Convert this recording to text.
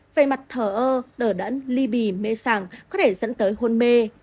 về mặt thở ơ đở đẫn ly bì mê sẳng có thể dẫn tới hôn mê